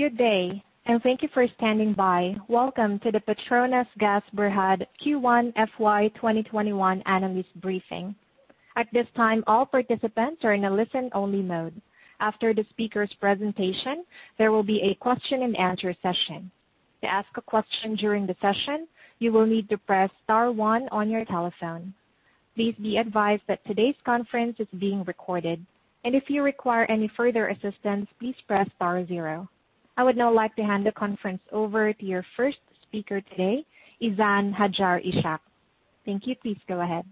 Good day, and thank you for standing by. Welcome to the PETRONAS Gas Berhad Q1 FY 2021 analyst briefing. At this time, all participants are in a listen-only mode. After the speakers' presentation, there will be a question and answer session. To ask a question during the session, you will need to press star one on your telephone. Please be advised that today's conference is being recorded. If you require any further assistance, please press star zero. I would now like to hand the conference over to your first speaker today, Izan Hajar Ishak. Thank you. Please go ahead.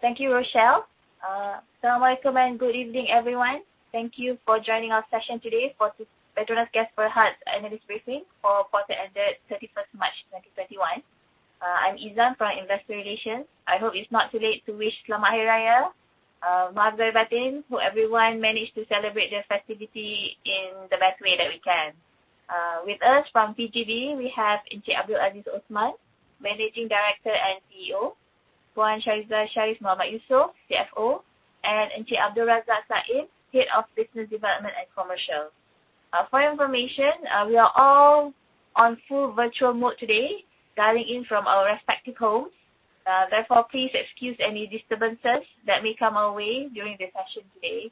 Thank you, Rochelle. Assalamualaikum and good evening, everyone. Thank you for joining our session today for PETRONAS Gas Berhad analyst briefing for quarter ended 31st March 2021. I'm Izan from Investor Relations. I hope it's not too late to wish Selamat Hari Raya. Maaf Zahir Batin. Hope everyone managed to celebrate the festivity in the best way that we can. With us from PGB, we have Encik Abdul Aziz Othman, Managing Director and CEO, Puan Shariza Sharis binti Mohd Yusof, CFO, and Encik Abdul Razak bin Saim, Head of Business Development and Commercial. For your information, we are all on full virtual mode today, dialing in from our respective homes. Therefore, please excuse any disturbances that may come our way during the session today.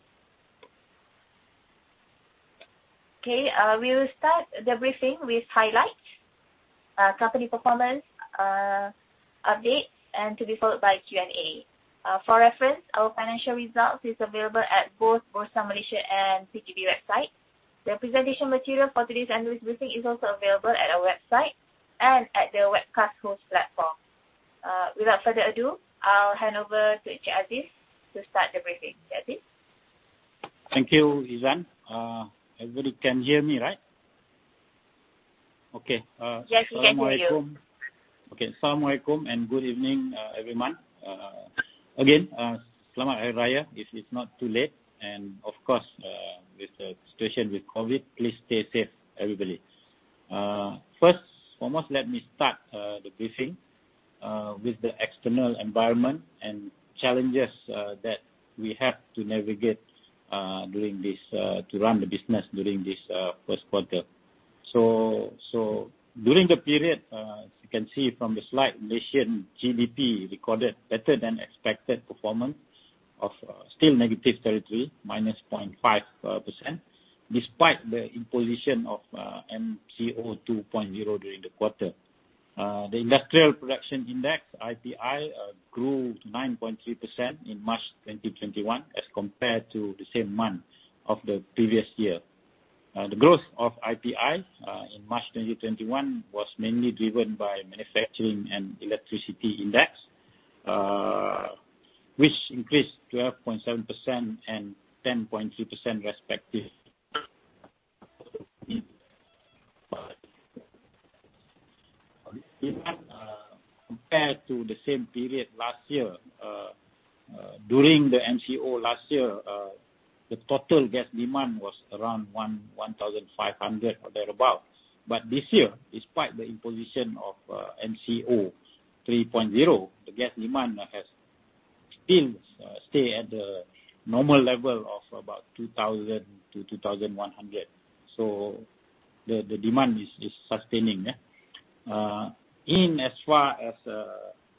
Okay. We will start the briefing with highlights, company performance updates, and to be followed by Q&A. For reference, our financial results is available at both Bursa Malaysia and PGB website. The presentation material for today's analyst briefing is also available at our website and at the webcast host platform. Without further ado, I'll hand over to Encik Aziz to start the briefing. Aziz? Thank you, Izan. Everybody can hear me, right? Okay. Yes, we can hear you. Assalamualaikum, good evening, everyone. Again, Selamat Hari Raya, if it's not too late, with the situation with COVID, please stay safe, everybody. First and foremost, let me start the briefing with the external environment and challenges that we have to navigate to run the business during this first quarter. During the period, as you can see from the slide, Malaysian GDP recorded better than expected performance of still negative territory, -0.5%, despite the imposition of MCO 2.0 during the quarter. The Industrial Production Index, IPI, grew 9.3% in March 2021 as compared to the same month of the previous year. The growth of IPI in March 2021 was mainly driven by manufacturing and electricity index, which increased 12.7% and 10.3% respectively. If compared to the same period last year, during the MCO last year, the total gas demand was around 1,500 or thereabout. This year, despite the imposition of MCO 3.0, the gas demand has still stay at the normal level of about 2,000 to 2,100. The demand is sustaining. In as far as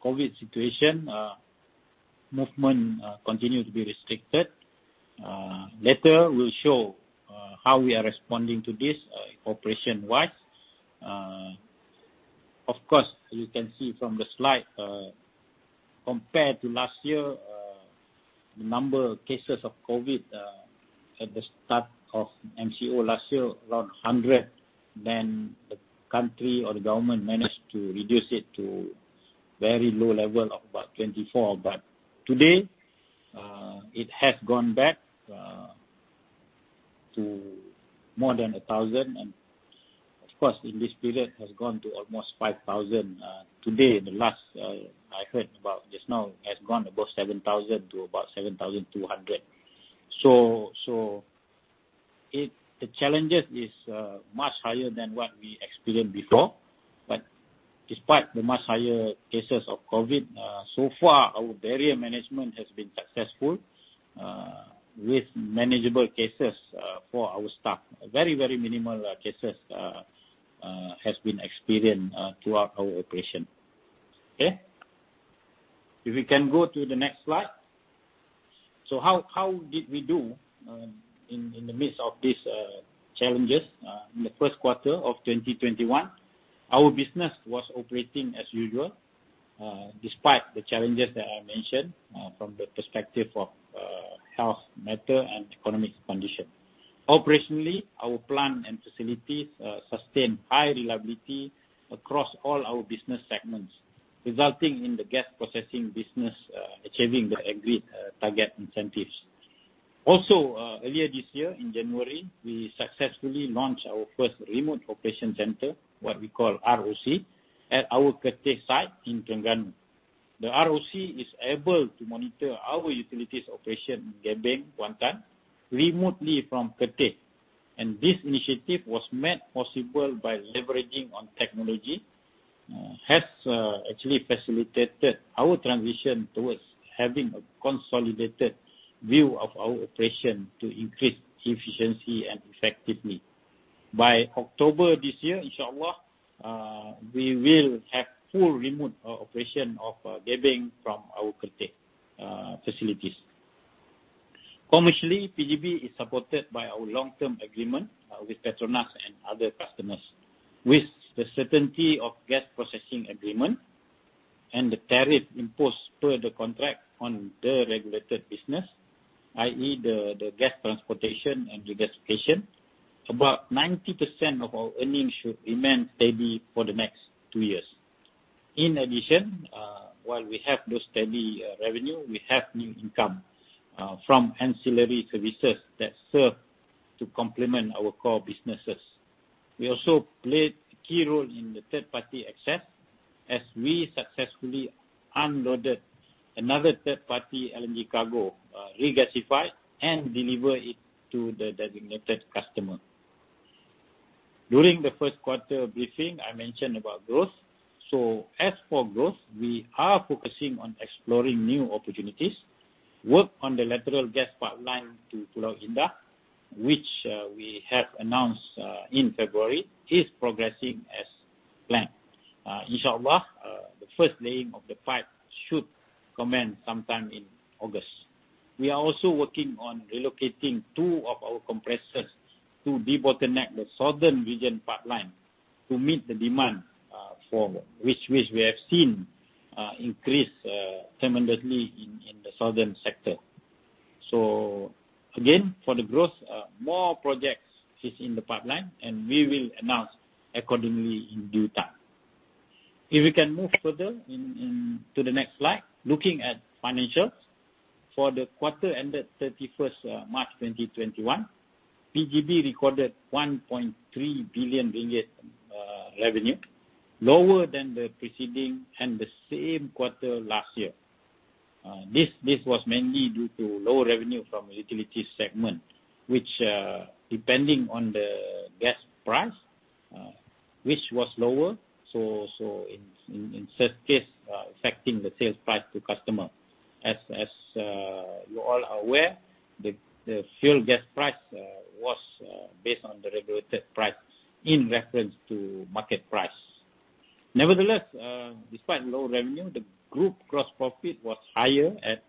COVID situation, movement continue to be restricted. Later, we'll show how we are responding to this operation-wise. Of course, you can see from the slide, compared to last year, the number of cases of COVID, at the start of MCO last year, around 100, then the country or the government managed to reduce it to very low level of about 24. Today, it has gone back to more than 1,000, and of course, in this period has gone to almost 5,000. Today, in the last, I heard about just now, has gone above 7,000 to about 7,200. The challenges is much higher than what we experienced before. Despite the much higher cases of COVID, so far our barrier management has been successful with manageable cases for our staff. Very minimal cases has been experienced throughout our operation. Okay. If we can go to the next slide. How did we do in the midst of these challenges? In the first quarter of 2021, our business was operating as usual, despite the challenges that I mentioned from the perspective of health matter and economic condition. Operationally, our plant and facilities sustained high reliability across all our business segments, resulting in the gas processing business achieving the agreed target incentives. Also, earlier this year in January, we successfully launched our first remote operation center, what we call ROC, at our Kerteh site in Terengganu. The ROC is able to monitor our utilities operation in Gebeng, Kuantan remotely from Kerteh, and this initiative was made possible by leveraging on technology has actually facilitated our transition towards having a consolidated view of our operation to increase efficiency and effectiveness. By October this year, Inshallah, we will have full remote operation of gathering from our Paka facilities. Commercially, PGB is supported by our long-term agreement with PETRONAS and other customers. With the certainty of gas processing agreement and the tariff imposed per the contract on the regulated business, i.e., the gas transportation and regasification, about 90% of our earnings should remain stable for the next two years. In addition, while we have the steady revenue, we have new income from ancillary services that serve to complement our core businesses. We also played a key role in the third-party access, as we successfully unloaded another third-party LNG cargo regasified and delivered it to the designated customer. During the first quarter briefing, I mentioned about growth. As for growth, we are focusing on exploring new opportunities. Work on the lateral gas pipeline to Pulau Indah, which we have announced in February, is progressing as planned. Inshallah, the first laying of the pipe should commence sometime in August. We are also working on relocating two of our compressors to bottleneck the Southern region pipeline to meet the demand for which we have seen increase tremendously in the Southern sector. Again, for the growth, more projects is in the pipeline, and we will announce accordingly in due time. We can move further to the next slide. Looking at financials. For the quarter ended 31st March 2021, PGB recorded 1.3 billion ringgit revenue, lower than the preceding and the same quarter last year. This was mainly due to low revenue from the utility segment, which depending on the gas price, which was lower, so in such case, affecting the sales price to customer. As you all are aware, the sale gas price was based on the regulated price in reference to market price. Nevertheless, despite low revenue, the group gross profit was higher at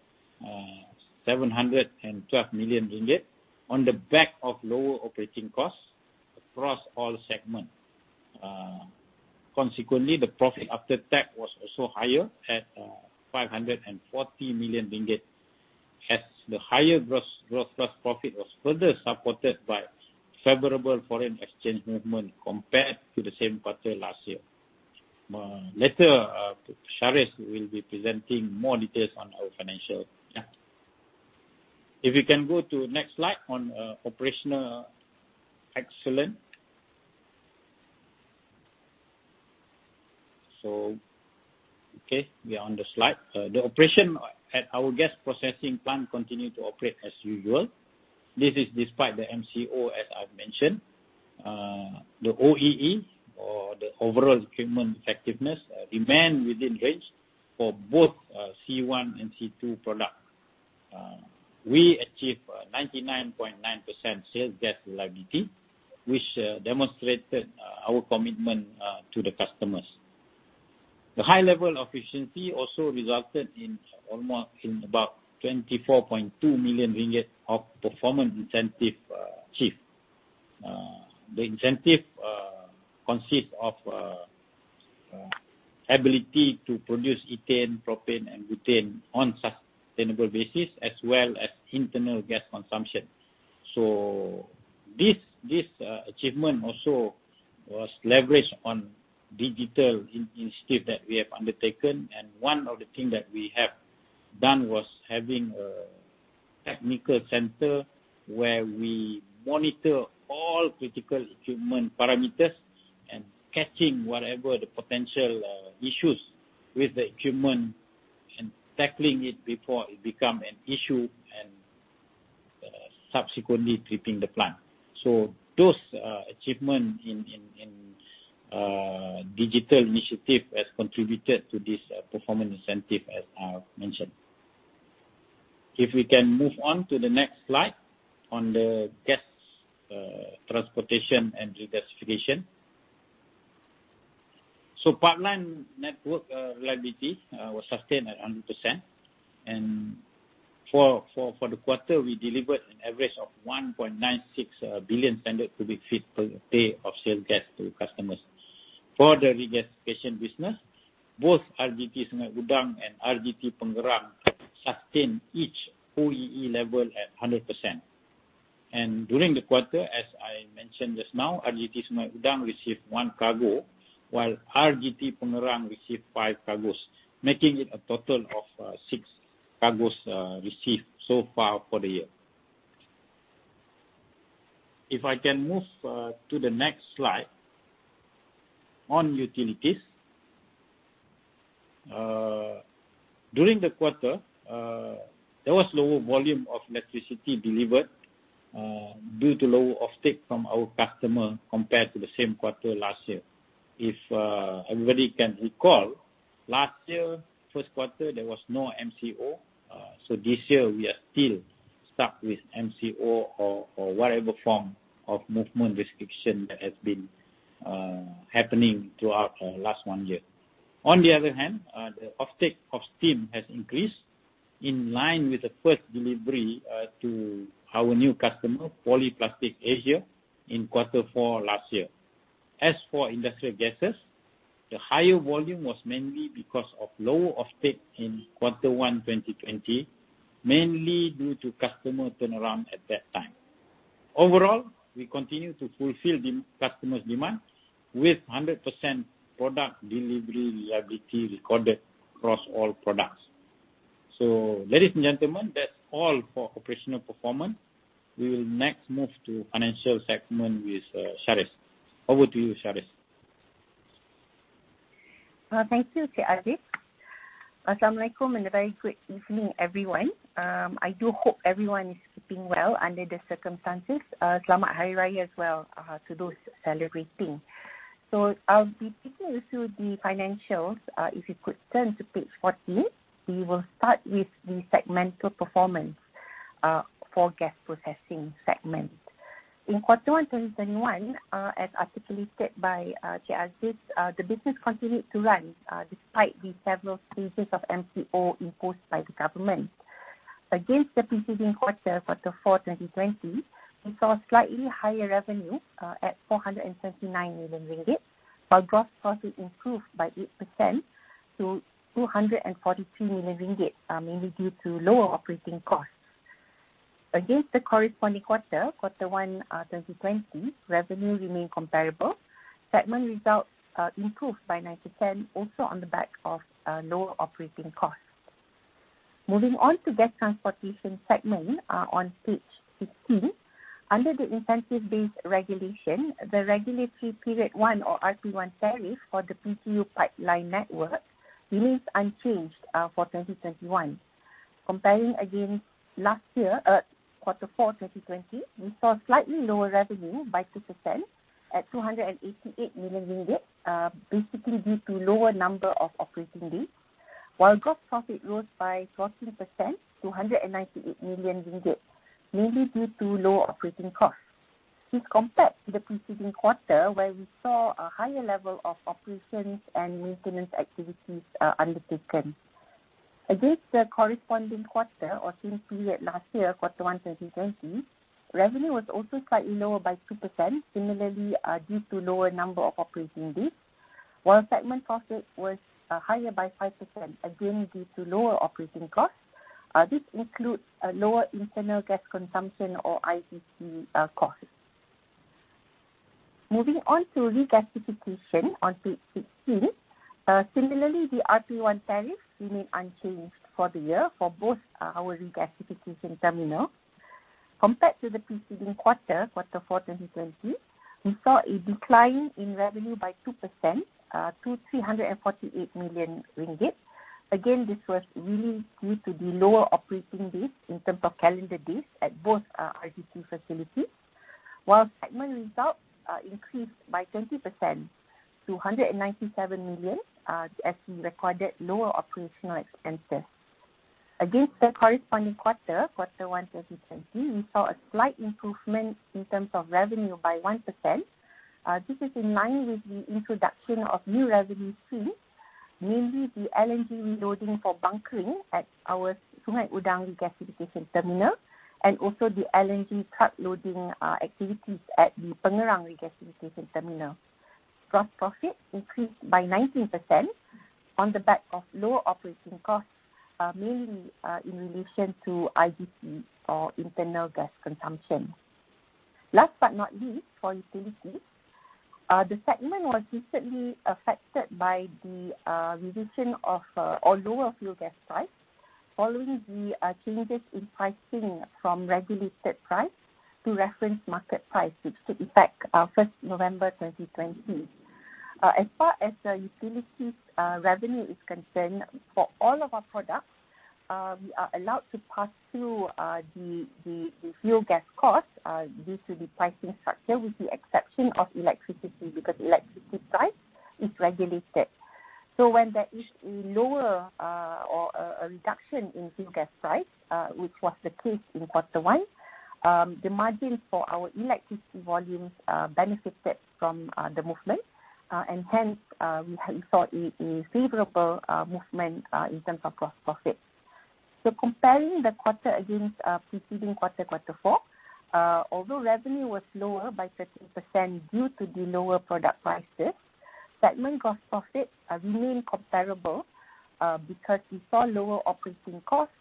712 million ringgit on the back of lower operating costs across all segments. Consequently, the profit after tax was also higher at 540 million ringgit, as the higher gross profit was further supported by favorable foreign exchange movement compared to the same quarter last year. Later, Sharis will be presenting more details on our financials. If we can go to the next slide on operational excellence. Okay, we are on the slide. The operation at our gas processing plant continued to operate as usual. This is despite the MCO, as I've mentioned. The OEE or the overall equipment effectiveness remained within range for both C1 and C2 products. We achieved 99.9% sales gas reliability, which demonstrated our commitment to the customers. The high level of efficiency also resulted in about 24.2 million ringgit of performance incentive achieved. The incentive consists of ability to produce ethane, propane, and butane on a sustainable basis, as well as internal gas consumption. This achievement also was leveraged on digital initiatives that we have undertaken, and one of the things that we have done was having a technical center where we monitor all critical equipment parameters and catching whatever the potential issues with the equipment and tackling it before it become an issue and subsequently tripping the plant. Those achievements in digital initiative have contributed to this performance incentive, as I've mentioned. If we can move on to the next slide on the gas transportation and regasification. Pipeline network reliability was sustained at 100%, and for the quarter, we delivered an average of 1.96 billion standard cubic feet per day of sale gas to the customers. For the regasification business, both RGT Sungai Udang and RGT Pengerang sustained each OEE level at 100%. During the quarter, as I mentioned just now, RGT Sungai Udang received one cargo, while RGT Pengerang received five cargoes, making it a total of six cargoes received so far for the year. If I can move to the next slide on utilities. During the quarter, there was lower volume of electricity delivered due to lower off take from our customer compared to the same quarter last year. If everybody can recall, last year first quarter, there was no MCO. This year we are still stuck with MCO or whatever form of movement restriction that has been happening throughout the last one year. On the other hand, the off take of steam has increased in line with the first delivery to our new customer, Polyplastics Asia, in quarter four last year. As for industrial gases, the higher volume was mainly because of lower off take in quarter one 2020, mainly due to customer turnaround at that time. Overall, we continue to fulfill the customers' demand with 100% product delivery recorded across all products. Ladies and gentlemen, that's all for operational performance. We will next move to financial segment with Sharis. Over to you, Sharis. Thank you, Encik Aziz. Assalamualaikum and a very good evening, everyone. I do hope everyone is keeping well under the circumstances. Selamat Hari Raya as well to those celebrating. I'll be taking you through the financials. If you could turn to page 14, we will start with the segmental performance for gas processing segment. In quarter one 2021, as articulated by Encik Aziz, the business continued to run despite the several phases of MCO imposed by the government. Against the preceding quarter four 2020, we saw slightly higher revenue at 479 million ringgit, while gross profit improved by 8% to 243 million ringgit, mainly due to lower operating costs. Against the corresponding quarter one 2020, revenue remained comparable. Segment results improved by 90%, also on the back of lower operating costs. Moving on to gas transportation segment on page 16. Under the incentive-based regulation, the regulatory period 1 or RP1 tariff for the PGU pipeline network remains unchanged for 2021. Comparing against last year at Q4 2020, we saw slightly lower revenue by 2% at 288 million ringgit, basically due to lower number of operating days, while gross profit rose by 14% to 198 million ringgit, mainly due to lower operating costs. This compared to the preceding quarter, where we saw a higher level of operations and maintenance activities undertaken. Against the corresponding quarter or same period last year, Q1 2020, revenue was also slightly lower by 2%, similarly due to lower number of operating days, while segment profit was higher by 5%, again due to lower operating costs. This includes lower internal gas consumption or IGC costs. Moving on to regasification on page 16. Similarly, the RP1 tariff remained unchanged for the year for both our Regasification Terminals. Compared to the preceding quarter, Q4 2020, we saw a decline in revenue by 2% to 348 million ringgit. Again, this was really due to the lower operating days in terms of calendar days at both RGT facilities, while segment results increased by 20% to 197 million as we recorded lower operational expenses. Against the corresponding quarter, Q1 2020, we saw a slight improvement in terms of revenue by 1%. This is in line with the introduction of new revenue streams, mainly the LNG reloading for bunkering at our Sungai Udang Regasification Terminal, and also the LNG truck loading activities at the Pengerang Regasification Terminal. Gross profit increased by 19% on the back of lower operating costs, mainly in relation to IGC or Internal Gas Consumption. Last but not least, for utility. The segment was recently affected by the revision of, or lower fuel gas price following the changes in pricing from regulated price to reference market price, which took effect 1st November 2020. As far as the utilities revenue is concerned, for all of our products, we are allowed to pass through the fuel gas cost due to the pricing structure, with the exception of electricity, because electricity price is regulated. When there is a lower or a reduction in fuel gas price, which was the case in quarter one, the margin for our electricity volumes benefited from the movement, and hence we saw a favorable movement in terms of gross profit. Comparing the quarter against preceding quarter, Q4, although revenue was lower by 13% due to the lower product prices, segment gross profit remained comparable because we saw lower operating costs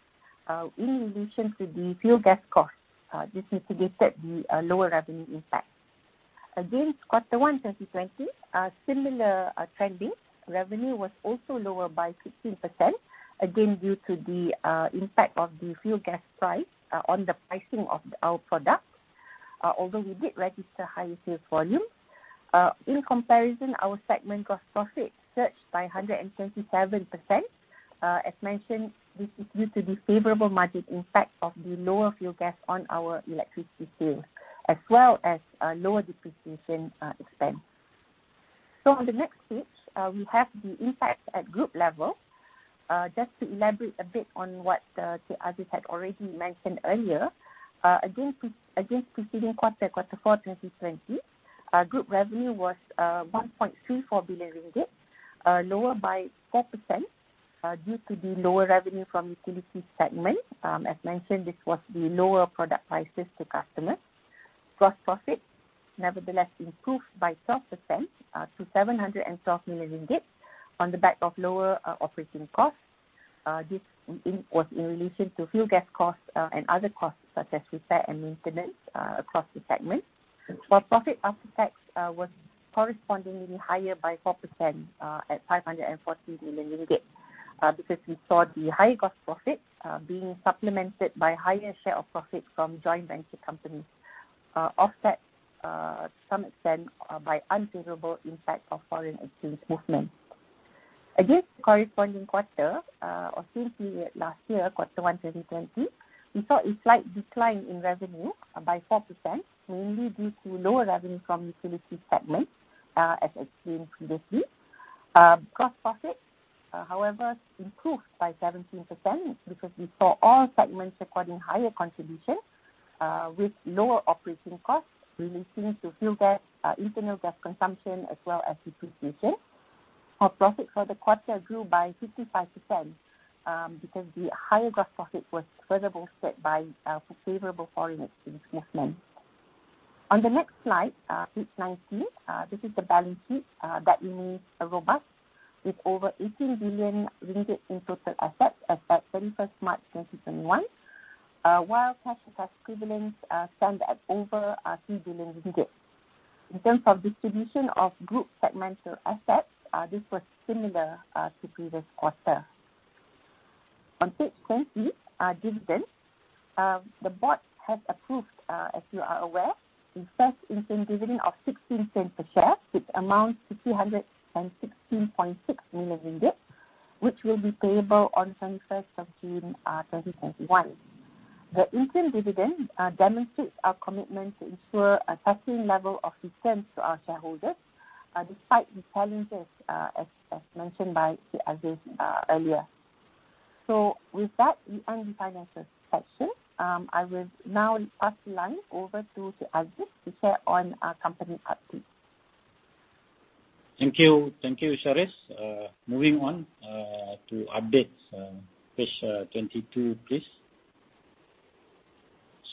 in relation to the fuel gas cost. This mitigated the lower revenue impact. Against Q1 FY 2020, similar trending. Revenue was also lower by 16%, again due to the impact of the fuel gas price on the pricing of our products. Although we did register higher sales volume. In comparison, our segment gross profit surged by 127%. As mentioned, this is due to the favorable margin impact of the lower fuel gas on our electricity sales, as well as lower depreciation expense. On the next page, we have the impact at group level. Just to elaborate a bit on what Aziz had already mentioned earlier. Against preceding quarter four 2020, group revenue was 1.34 billion ringgit, lower by 4% due to the lower revenue from utility segment. As mentioned, this was the lower product prices to customers. Gross profit, nevertheless, improved by 12% to 712 million ringgit on the back of lower operating costs. This was in relation to fuel gas costs and other costs such as repair and maintenance across the segment. Profit after tax was correspondingly higher by 4% at 540 million ringgit because we saw the higher gross profit being supplemented by higher share of profit from joint venture companies, offset to some extent by unfavorable impact of foreign exchange movement. Against corresponding quarter of same period last year, quarter one 2020, we saw a slight decline in revenue by 4%, mainly due to lower revenue from utility segment, as explained previously. Gross profit, however, improved by 17% because we saw all segments recording higher contributions with lower operating costs relating to fuel gas, Internal Gas Consumption as well as depreciation. Our profit for the quarter grew by 55% because the higher gross profit was further boosted by favorable foreign exchange movement. On the next slide, page 19, this is the balance sheet. Balance sheet is robust with over 18 billion ringgit in total assets as at 31st March 2021. While cash and cash equivalents stand at over 3 billion ringgit. In terms of distribution of group segmental assets, this was similar to previous quarter. On page 20, our dividend. The board has approved, as you are aware, the first interim dividend of 0.16 a share, which amounts to 316.6 million ringgit, which will be payable on 31st of June 2021. The interim dividend demonstrates our commitment to ensure a certain level of returns to our shareholders, despite the challenges, as mentioned by Aziz earlier. With that, we end the financial section. I will now pass the line over to Aziz to share on our company updates. Thank you, Sharis. Moving on to updates. Page 22, please.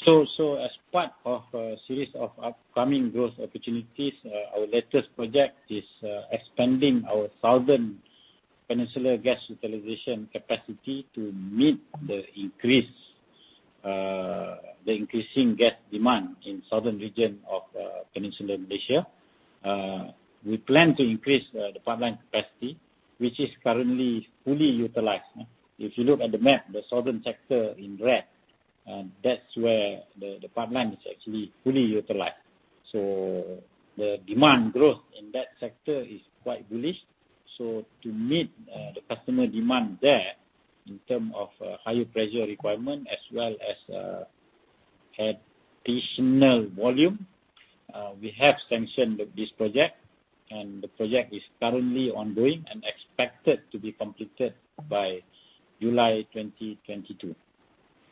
As part of a series of upcoming growth opportunities, our latest project is expanding our southern Peninsular Gas Utilisation capacity to meet the increasing gas demand in southern region of Peninsular Malaysia. We plan to increase the pipeline capacity, which is currently fully utilized. If you look at the map, the southern sector in red, that's where the pipeline is actually fully utilized. The demand growth in that sector is quite bullish. To meet the customer demand there in term of higher pressure requirement, as well as additional volume, we have sanctioned this project, and the project is currently ongoing and expected to be completed by July 2022.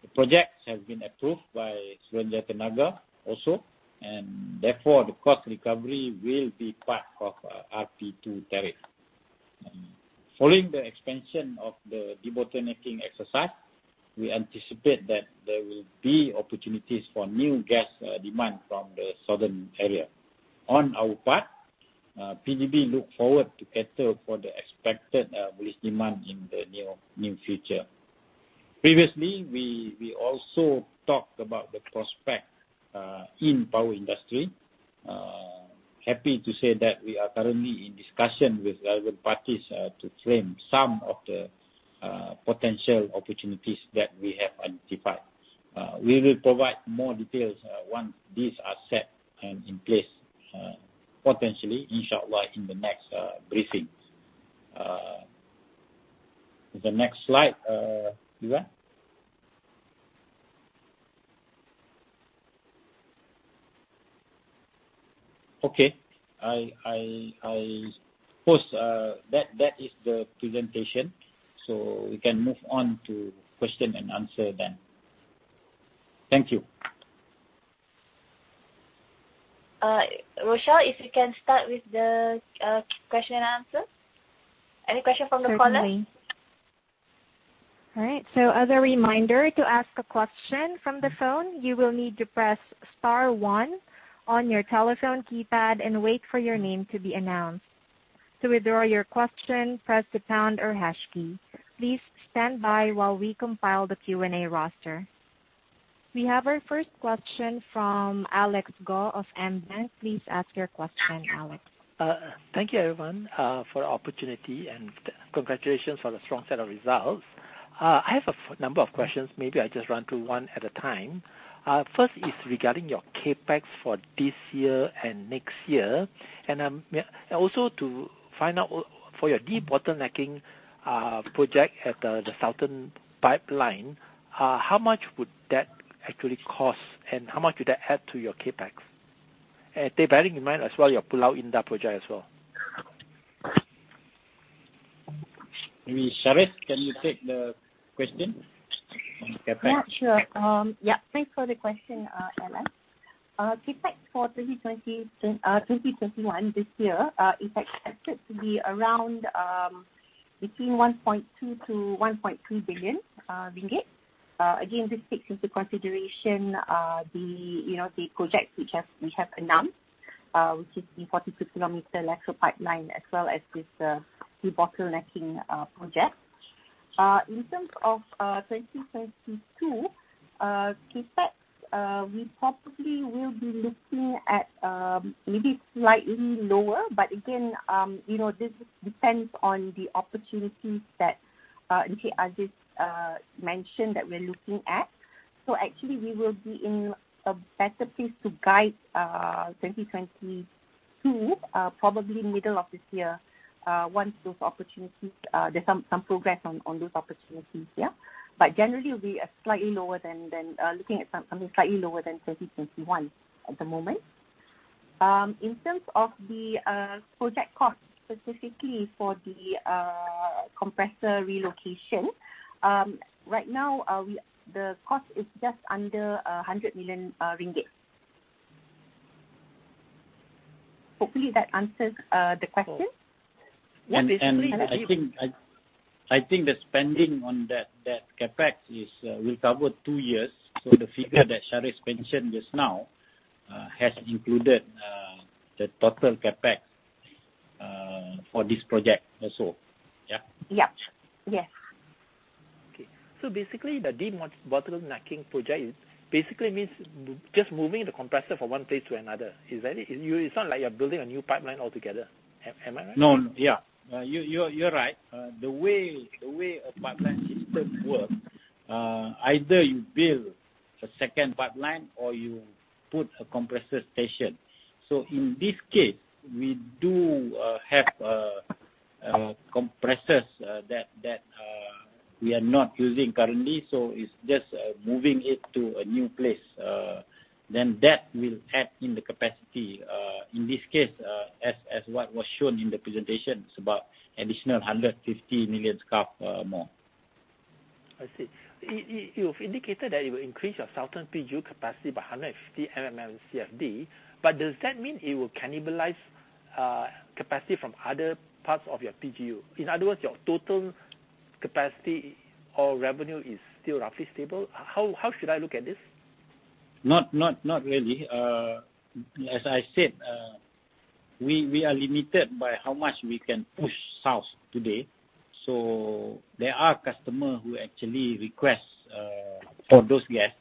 The project has been approved by Suruhanjaya Tenaga also, and therefore the cost recovery will be part of RP2 tariff. Following the expansion of the debottlenecking exercise, we anticipate that there will be opportunities for new gas demand from the southern area. On our part, PGB look forward to cater for the expected bullish demand in the near future. Previously, we also talked about the prospect in power industry. Happy to say that we are currently in discussion with relevant parties to claim some of the potential opportunities that we have identified. We will provide more details once these are set in place, potentially, inshallah, in the next briefings. The next slide, Izan. Okay. I pause. That is the presentation. We can move on to question and answer then. Thank you. Rochelle, if you can start with the question and answer. Any question from the callers? Certainly. All right. As a reminder, to ask a question from the phone, you will need to press star one on your telephone keypad and wait for your name to be announced. To withdraw your question, press the pound or hash key. Please stand by while we compile the Q&A roster. We have our first question from Alex Goh of AmBank. Please ask your question, Alex. Thank you, everyone, for the opportunity and congratulations on the strong set of results. I have a number of questions. Maybe I just run through one at a time. First is regarding your CapEx for this year and next year. Also to find out for your debottlenecking project at the southern pipeline, how much would that actually cost, and how much would that add to your CapEx? Bearing in mind as well, your Pulau Indah project as well. Sharis, can you take the question? Sure. Thanks for the question, Alex. CapEx for 2021, this year, is expected to be around between 1.2 billion-1.3 billion ringgit. This takes into consideration the projects which we have announced, which is the 42 km lateral pipeline, as well as this debottlenecking project. In terms of 2022 CapEx, we probably will be looking at maybe slightly lower, this depends on the opportunities that Encik Abdul Aziz Othman mentioned that we're looking at. Actually, we will be in a better place to guide 2022, probably middle of this year, once there's some progress on those opportunities. Generally, we are looking at slightly lower than 2021 at the moment. In terms of the project cost, specifically for the compressor relocation, right now the cost is just under 100 million ringgit. Hopefully, that answers the question. I think the spending on that CapEx is recovered two years. The figure that Sharis mentioned just now has included the total CapEx for this project also. Yeah. Okay. Basically, the debottlenecking project basically means just moving the compressor from one place to another. Is that it? It's not like you're building a new pipeline altogether. Am I right? No. Yeah. You're right. The way a pipeline system works, either you build a second pipeline, or you put a compressor station. In this case, we do have compressors that we are not using currently, so it's just moving it to a new place. That will add in the capacity, in this case, as what was shown in the presentation, it's about additional 150 mmscfd or more. I see. You've indicated that you increased your southern PGU capacity by 150 mmscfd, but does that mean it will cannibalize capacity from other parts of your PGU? In other words, your total capacity or revenue is still roughly stable. How should I look at this? Not really. As I said, we are limited by how much we can push south today. There are customers who actually request for those gas.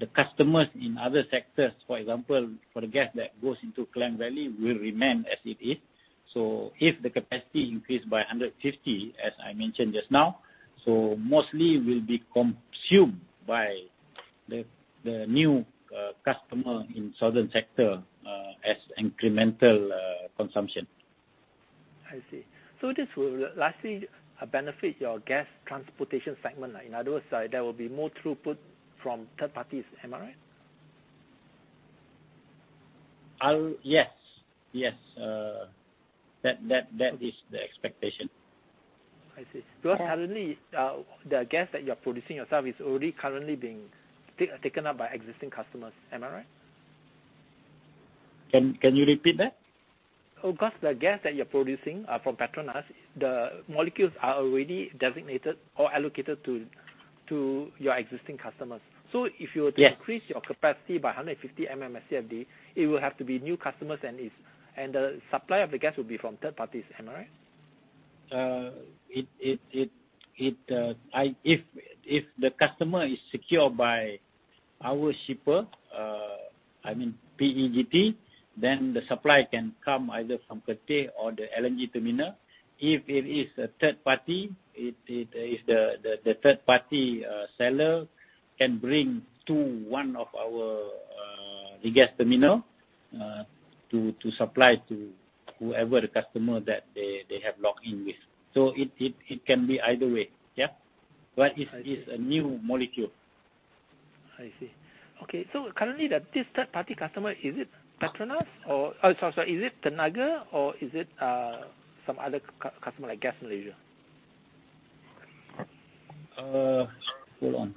The customers in other sectors, for example, for the gas that goes into Klang Valley, will remain as it is. If the capacity increased by 150, as I mentioned just now, mostly will be consumed by the new customer in southern sector as incremental consumption. I see. This will lastly benefit your gas transportation segment. In other words, there will be more throughput from third parties. Am I right? Yes. That is the expectation. I see. Currently, the gas that you're producing yourself is already currently being taken up by existing customers. Am I right? Can you repeat that? Because the gas that you're producing for PETRONAS, the molecules are already designated or allocated to your existing customers. Yes. to increase your capacity by 150 mmscfd, it will have to be new customers, and the supply of the gas will be from third parties. Am I right? If the customer is secured by our shipper, PEGT, then the supply can come either from Paka or the LNG terminal. If it is a third party, the third-party seller can bring to one of our regas terminal to supply to whoever the customer that they have locked in with. It can be either way. It is a new molecule. I see. Currently the third-party customer, is it Tenaga or is it some other customer like Gas Malaysia? Hold on.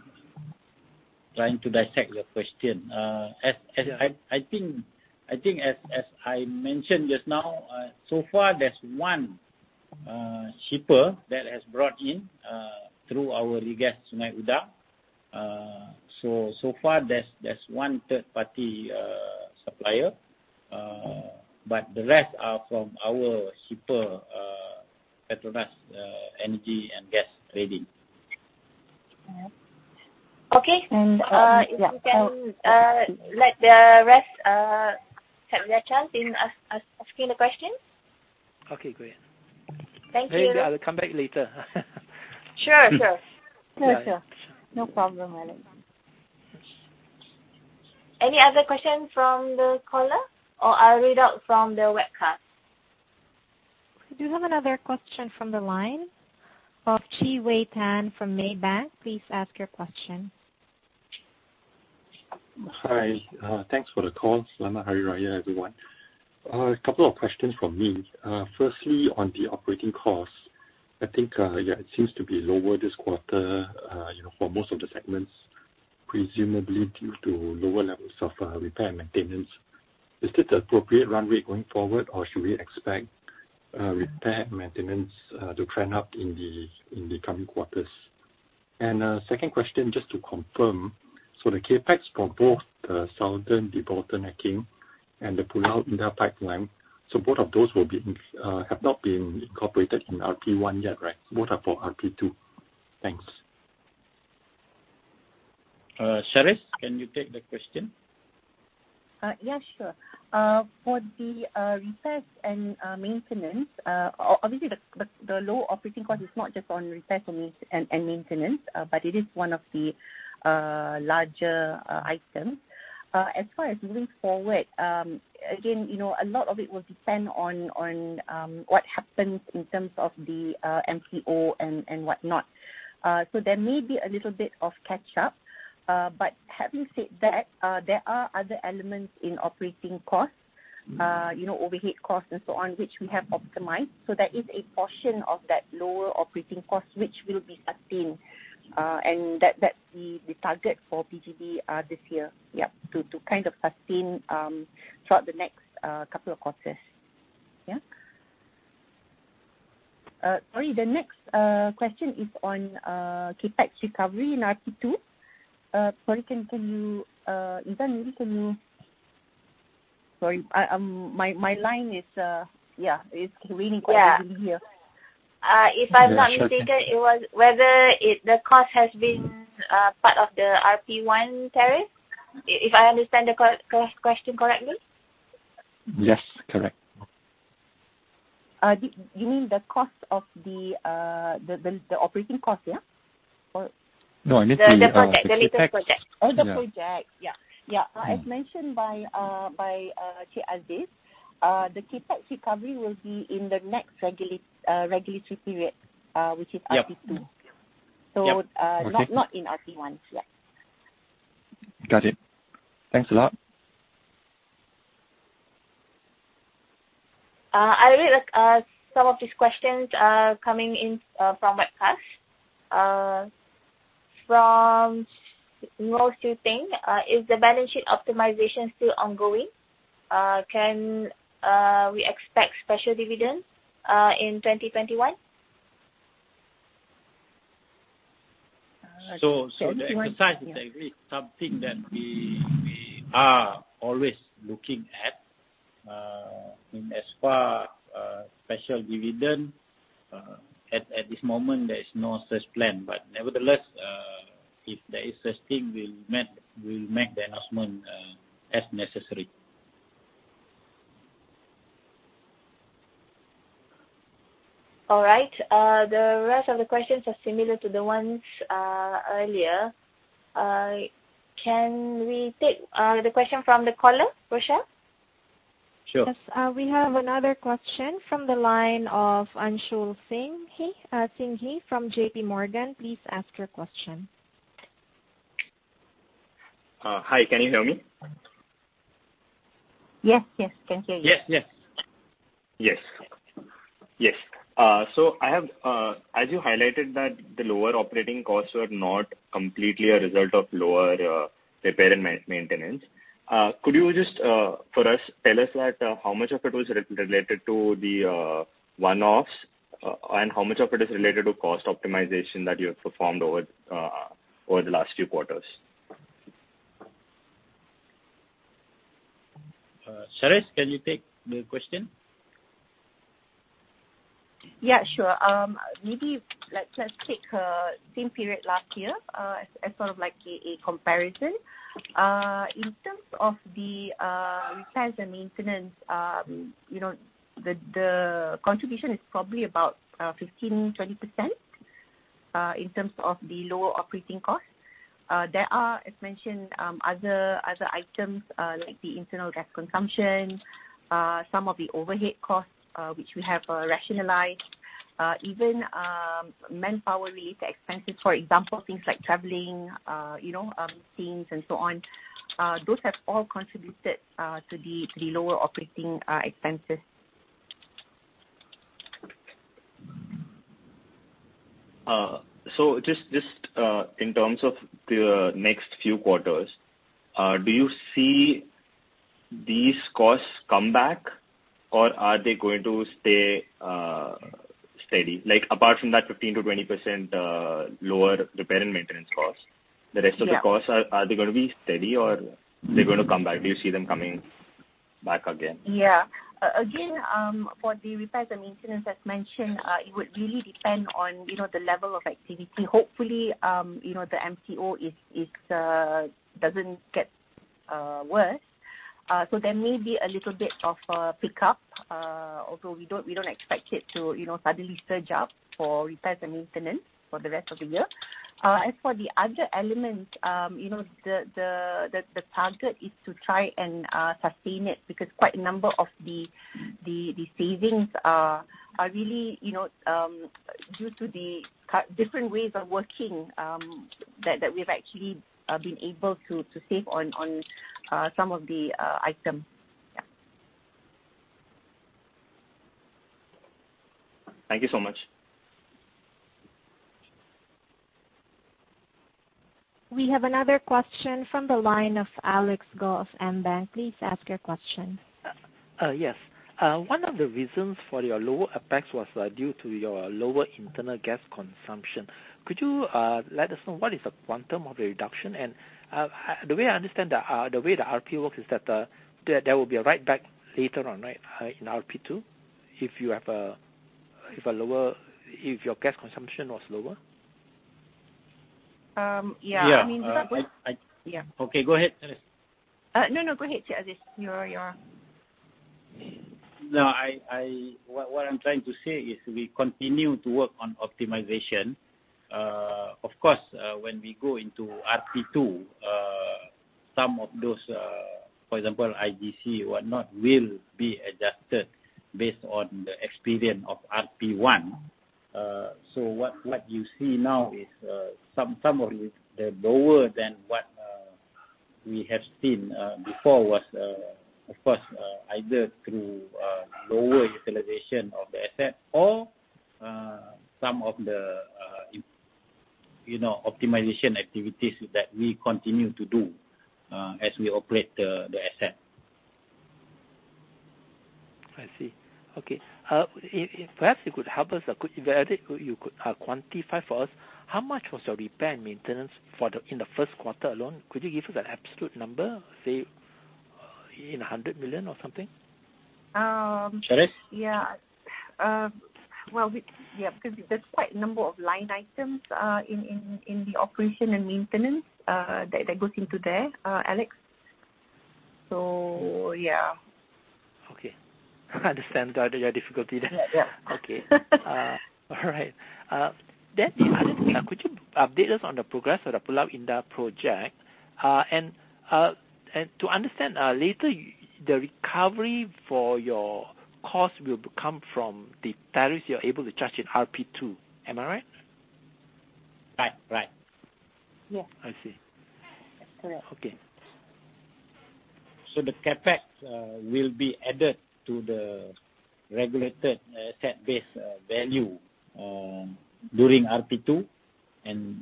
Trying to dissect your question. I think as I mentioned just now, so far there's one shipper that has brought in through our Regas Sungai Udang. So far, there's one third-party supplier, but the rest are from our shipper, PETRONAS Energy & Gas Trading. Okay. Okay. Yeah. If we can let the rest have their chance in asking the questions. Okay, great. Thank you. Maybe I will come back later. Sure. Sure. No problem. Any other questions from the caller, or I'll read out from the webcast? We do have another question from the line of Chi Wei Tan from Maybank. Please ask your question. Hi. Thanks for the call. Selamat Hari Raya, everyone. A couple of questions from me. Firstly, on the operating costs, I think it seems to be lower this quarter for most of the segments, presumably due to lower levels of repair and maintenance. Is this the appropriate runway going forward, or should we expect repair and maintenance to trend up in the coming quarters? Second question, just to confirm, the CapEx for both the Southern debottlenecking and the Pulau Indah pipeline, both of those have not been incorporated in RP1 yet, right? Both are for RP2. Thanks. Sharis, can you take the question? Yeah, sure. For the repairs and maintenance, obviously, the low operating cost is not just on repairs and maintenance, but it is one of the larger items. As far as moving forward, again, a lot of it will depend on what happens in terms of the MCO and whatnot. There may be a little bit of catch-up. Having said that, there are other elements in operating costs, overhead costs and so on, which we have optimized. That is a portion of that lower operating cost, which will be sustained, and that's the target for PGB this year, yeah, to kind of sustain throughout the next couple of quarters. Yeah. Sorry, the next question is on CapEx recovery in RP2. Sorry, Izan, maybe can you Sorry, my line is, yeah, it's raining quite a bit here. Yeah. If I'm not mistaken. Yes, sure. it was whether the cost has been part of the RP1 tariff. If I understand the question correctly. Yes, correct. You mean the operating cost, yeah? No, I meant. The project. The CapEx. Oh, the project. Yeah. As mentioned by Encik Aziz, the CapEx recovery will be in the next regulatory period, which is RP2. Yeah. Okay. Not in RP1. Yeah. Got it. Thanks a lot. I read some of these questions coming in from webcast. From Muh Tian Ting, is the balance sheet optimization still ongoing? Can we expect special dividends in 2021? The exercise is definitely something that we are always looking at. As far as special dividend, at this moment, there is no such plan. Nevertheless, if there is such thing, we'll make the announcement as necessary. All right. The rest of the questions are similar to the ones earlier. Can we take the question from the caller, Rochelle? Sure. Yes. We have another question from the line of Anshul Singhvi from JPMorgan. Please ask your question. Hi, can you hear me? Yes. Can hear you. Yes. As you highlighted that the lower operating costs were not completely a result of lower repair and maintenance, could you just, for us, tell us how much of it was related to the one-offs, and how much of it is related to cost optimization that you have performed over the last few quarters? Sharis, can you take the question? Yeah, sure. Maybe let's just take same period last year as sort of like a comparison. In terms of the repairs and maintenance, the contribution is probably about 15%, 20% in terms of the lower operating cost. There are, as mentioned, other items like the Internal Gas Consumption, some of the overhead costs, which we have rationalized. Even manpower-related expenses, for example, things like traveling, meetings and so on, those have all contributed to the lower operating expenses. Just in terms of the next few quarters, do you see these costs come back, or are they going to stay steady like apart from that 15%-20% lower repairs and maintenance costs. Yeah. The rest of the costs, are they going to be steady, or they're going to come back? Do you see them coming back again? Yeah. Again, for the repairs and maintenance, as mentioned, it would really depend on the level of activity. Hopefully, the MCO doesn't get worse. There may be a little bit of a pickup, although we don't expect it to suddenly surge up for repairs and maintenance for the rest of the year. For the other elements, the target is to try and sustain it because quite a number of the savings are really due to the different ways of working that we've actually been able to save on some of the items. Yeah. Thank you so much. We have another question from the line of Alex Goh of AmBank. Please ask your question. Yes. One of the reasons for your lower OpEx was due to your lower internal gas consumption. Could you let us know what is the quantum of the reduction? The way I understand the way the RP works is that there will be a write-back later on in RP2 if your gas consumption was lower. Yeah. Okay, go ahead. No, go ahead, Aziz. You're on. No, what I'm trying to say is we continue to work on optimization. Of course, when we go into RP2, some of those, for example, IGC, will not be adjusted based on the experience of RP1. What you see now is some of it is lower than what we have seen before was, of course, either through lower utilization of the asset or some of the optimization activities that we continue to do as we operate the asset. I see. Okay. Perhaps you could help us, could you quantify for us how much was your repair and maintenance in the first quarter alone? Could you give us an absolute number, say, in 100 million or something? Sharis? Yeah. Well, yeah, there's quite a number of line items in the operation and maintenance that goes into there, Alex. So, yeah. Okay. I understand your difficulty there. Yeah. Okay. All right. That being understood, could you update us on the progress of the Pulau Indah project? To understand later, the recovery for your cost will come from the tariffs you're able to charge in RP2. Am I right? Right. I see. Yeah. Okay. The CapEx will be added to the regulated asset base value during RP2, and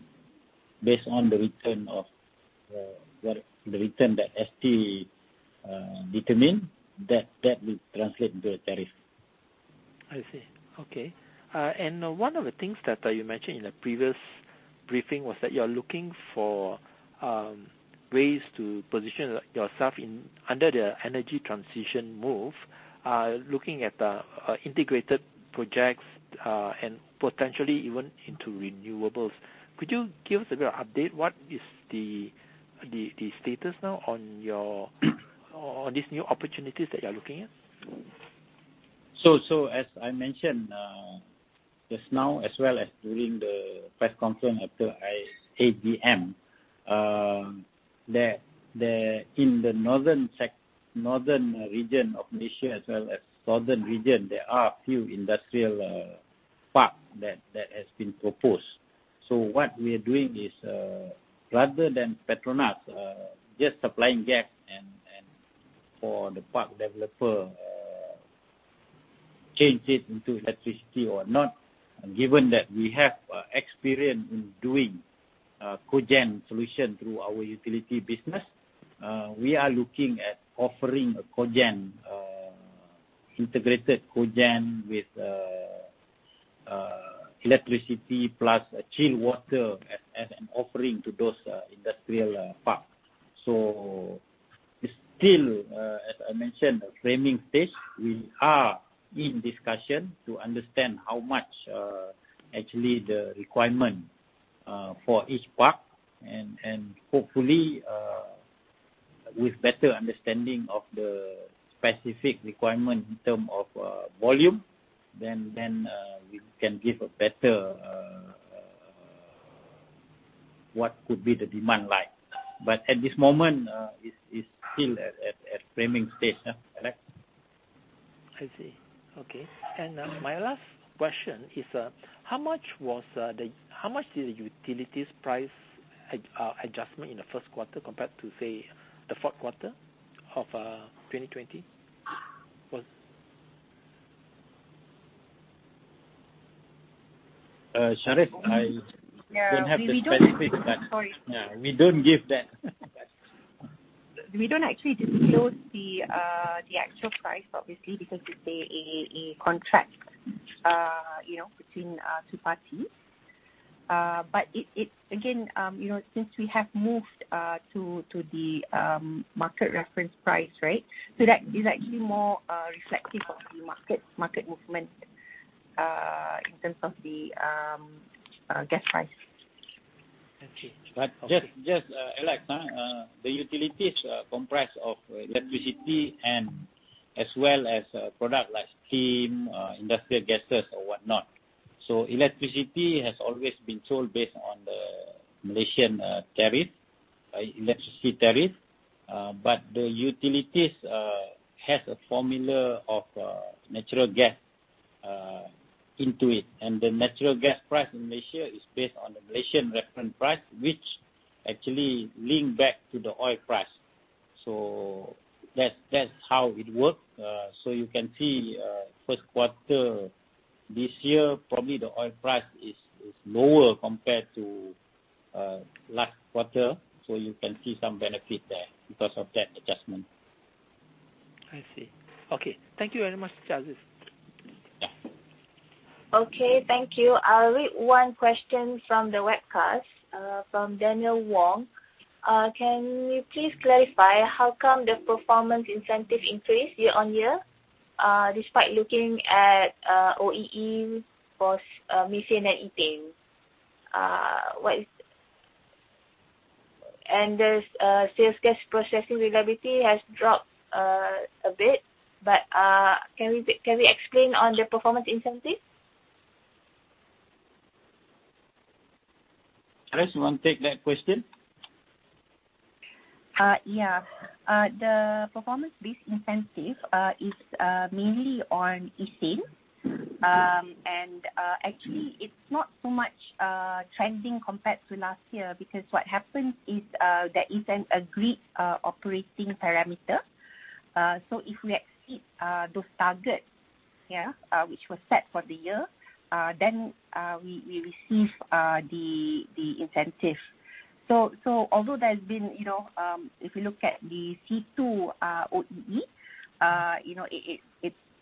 based on the return that ST determines, that will translate into a tariff. I see. Okay. One of the things that you mentioned in the previous briefing was that you're looking for ways to position yourself under the energy transition move, looking at integrated projects and potentially even into renewables. Could you give us a little update? What is the status now on these new opportunities that you're looking at? As I mentioned just now as well as during the press conference after AGM, that in the northern region of Malaysia as well as southern region, there are a few industrial parks that has been proposed. What we are doing is rather than PETRONAS just supplying gas and for the park developer change it into electricity or not, given that we have experience in doing cogen solution through our utility business, we are looking at offering integrated cogen with electricity plus chilled water as an offering to those industrial parks. It's still, as I mentioned, the planning stage. We are in discussion to understand how much actually the requirement for each park and hopefully, with better understanding of the specific requirement in term of volume, then we can give a better what could be the demand like. At this moment, it's still at planning stage. I see. Okay. My last question is, how much is the utilities price adjustment in the first quarter compared to, say, the fourth quarter of 2020? Sharis, I don't have the specific- Sorry. We don't give that. We don't actually disclose the actual price, obviously, because it's a contract between two parties. Again, since we have moved to the market reference price, right? That is actually more reflective of the market movement in terms of the gas price. Okay. Just, Alex. The utilities comprise of electricity and as well as product like steam, industrial gases or whatnot. Electricity has always been sold based on the Malaysian tariff, electricity tariff. The utilities has a formula of natural gas into it, and the natural gas price in Malaysia is based on the Malaysian reference price, which actually link back to the oil price. That's how it works. You can see first quarter this year, probably the oil price is lower compared to last quarter. You can see some benefit there because of that adjustment. I see. Okay. Thank you very much, Aziz. Yes. Okay. Thank you. I'll read one question from the webcast, from Daniel Wong. Can you please clarify how come the performance incentive increased year-over-year, despite looking at OEE for methane and ethane? There's sales gas processing reliability has dropped a bit. Can we explain on the performance incentive? Sharis, you want to take that question? Yeah. The performance-based incentive is mainly on ethane. Actually, it's not so much trending compared to last year because what happens is there is an agreed operating parameter. If we exceed those targets which were set for the year, then we receive the incentive. Although if we look at the C2 OEE,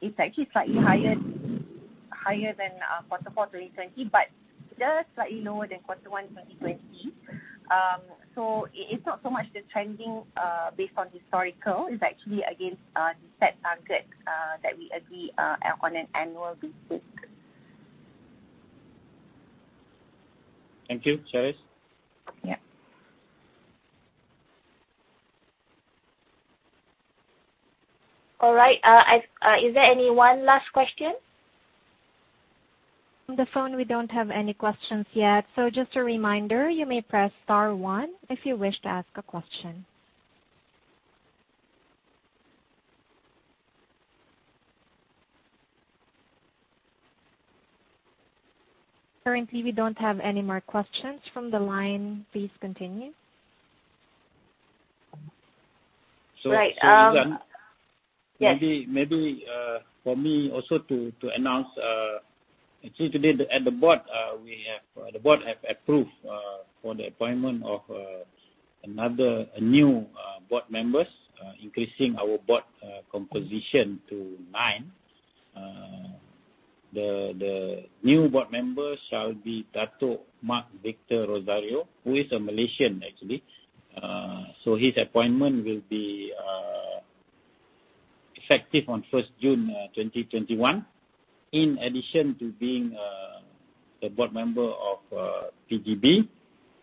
it's actually slightly higher than quarter four 2020, but just slightly lower than quarter one 2020. It's not so much the trending based on historical. It's actually against the set targets that we agree on an annual basis. Thank you, Sharis. Yeah. All right. Is there any one last question? On the phone, we don't have any questions yet. So just a reminder, you may press star one if you wish to ask a question. Currently, we don't have any more questions from the line. Please continue. Right. So Izan? Yes. Maybe for me also to announce. Actually today at the board, the board have approved for the appointment of a new board members, increasing our board composition to nine. The new board member shall be Datuk Mark Victor Rozario, who is a Malaysian actually. His appointment will be effective on 1st June 2021. In addition to being a board member of PGB,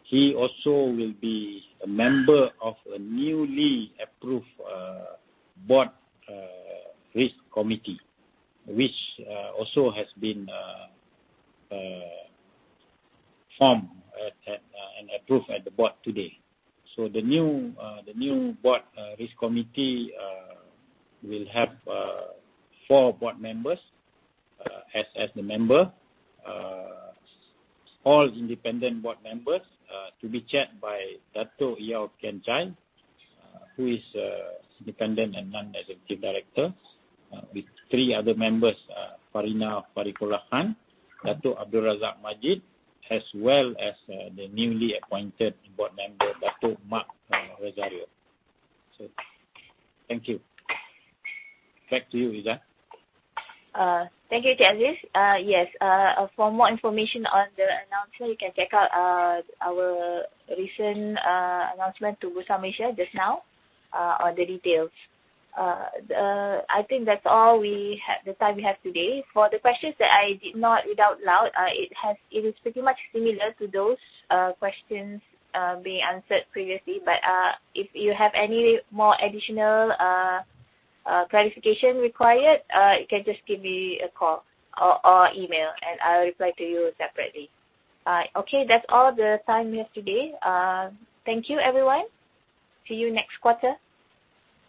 he also will be a member of a newly approved Board Risk Committee, which also has been formed and approved at the board today. The new Board Risk Committee will have four board members as the member. All independent board members to be chaired by Datuk Yeow Kian Chai, who is a independent and Non-Executive Director, with three other members, Farina Farikhullah Khan, Dato' Abdul Razak bin Abdul Majid, as well as the newly appointed board member, Datuk Mark Victor Rozario. Thank you. Back to you, Izan. Thank you, Aziz. Yes. For more information on the announcement, you can check out our recent announcement to Bursa Malaysia just now on the details. I think that's all the time we have today. For the questions that I did not read out loud, it is pretty much similar to those questions being answered previously. If you have any more additional clarification required, you can just give me a call or email, and I'll reply to you separately. Okay, that's all the time we have today. Thank you, everyone. See you next quarter.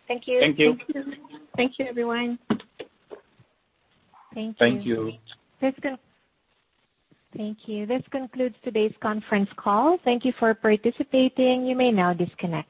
Thank you. Thank you. Thank you. Thank you, everyone. Thank you. Thank you. Thank you. This concludes today's conference call. Thank you for participating. You may now disconnect.